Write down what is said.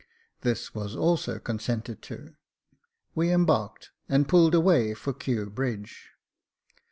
This was also consented to ; we embarked and pulled away for Kew Bridge.